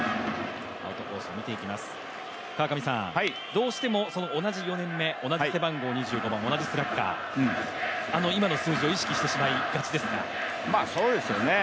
どうしても、同じ４年目、同じ背番号２５番同じスラッガー、あの今の数字を意識してしまいがちですか？